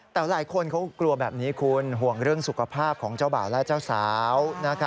แต่หลายคนเขากลัวแบบนี้คุณห่วงเรื่องสุขภาพของเจ้าบ่าวและเจ้าสาว